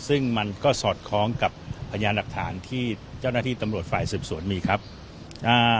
ซึ่งมันก็สอดคล้องกับพยานหลักฐานที่เจ้าหน้าที่ตำรวจฝ่ายสืบสวนมีครับอ่า